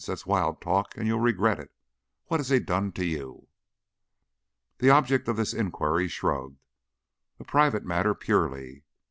That's wild talk and you'll regret it. What has he done to you?" The object of this inquiry shrugged. "A private matter, purely.